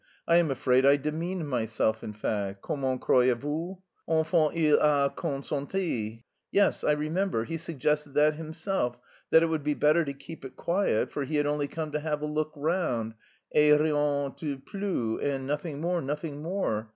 I am afraid I demeaned myself, in fact, comment croyez vous? Enfin il a consenti. Yes, I remember, he suggested that himself that it would be better to keep it quiet, for he had only come 'to have a look round' et rien de plus, and nothing more, nothing more...